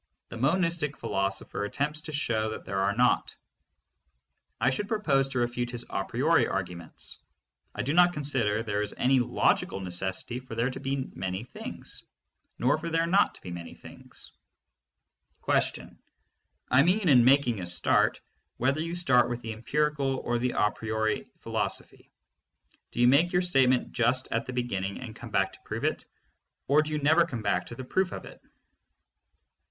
The monistic philosopher attempts to show that there are not. I should propose to refute his a priori arguments. THE PHILOSOPHY OF LOGICAL ATOMISM. 5OO. I do not consider there is any logical necessity for there to be many things, nor for there not to be many things. I mean in making a start, whether you start with the em pirical or the a priori philosophy, do you make your state ment just at the beginning and come back to prove it, or do you never come back to the proof of it?